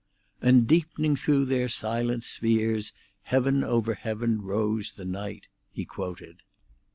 "'And deepening through their silent spheres, Heaven over heaven rose the night,'" he quoted.